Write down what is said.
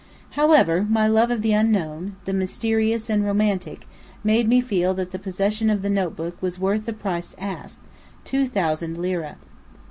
However, my love of the unknown, the mysterious and romantic, made me feel that the possession of the notebook was worth the price asked: two thousand lire.